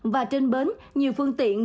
và trên bến nhiều phương tiện ngư cụt